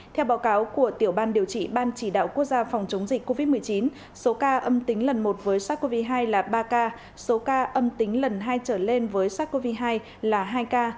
theo báo cáo của tiểu ban điều trị ban chỉ đạo quốc gia phòng chống dịch covid một mươi chín số ca âm tính lần một với sars cov hai là ba ca số ca âm tính lần hai trở lên với sars cov hai là hai ca